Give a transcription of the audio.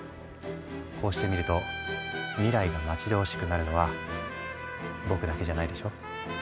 こうしてみると未来が待ち遠しくなるのは僕だけじゃないでしょ？